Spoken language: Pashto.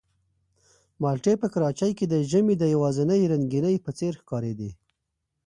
مالټې په کراچۍ کې د ژمي د یوازینۍ رنګینۍ په څېر ښکارېدې.